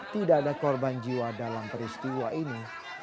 tidak ada korban jiwa dalam peristiwa ini